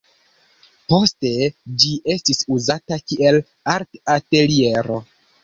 Poste ĝi estis uzata kiel art-ateliero.